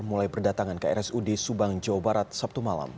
mulai berdatangan ke rsud subang jawa barat sabtu malam